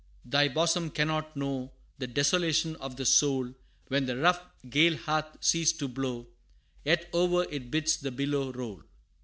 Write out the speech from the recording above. "Stranger, thy bosom cannot know The desolation of the soul, When the rough, gale hath ceased to blow, Yet o'er it bids the billow roll.